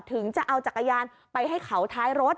ถึงจะเอาจักรยานไปให้เขาท้ายรถ